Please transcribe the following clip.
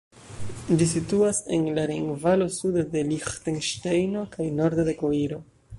Ĝi situas en la Rejnvalo sude de Liĥtenŝtejno kaj norde de Koiro.